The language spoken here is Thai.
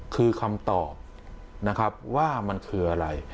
คือคำตอบนะครับว่ามันคืออะไร